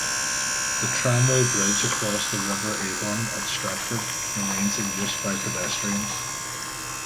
The tramway bridge across the River Avon at Stratford remains in use by pedestrians.